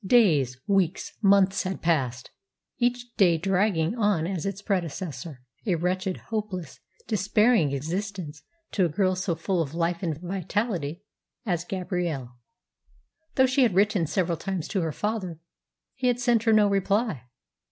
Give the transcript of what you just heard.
Days, weeks, months had passed, each day dragging on as its predecessor, a wretched, hopeless, despairing existence to a girl so full of life and vitality as Gabrielle. Though she had written several times to her father, he had sent her no reply.